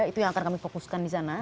itu yang akan kami fokuskan di sana